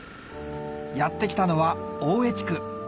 やって来たのは大江地区